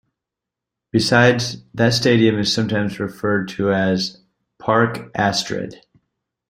Besides, that stadium is sometimes referred to as "Parc Astrid".